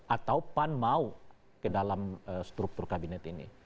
atau pan mau ke dalam struktur kabinet ini